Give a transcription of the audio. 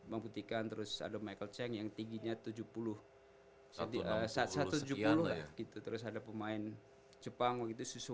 membuktikan terus ada michael cheng yang tingginya tujuh puluh satu tujuh puluh gitu terus ada pemain jepang itu susu